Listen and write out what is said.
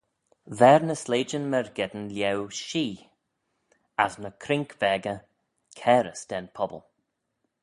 Ver ny sleityn myrgeddin lhieu shee: as ny croink veggey cairys da'n pobble.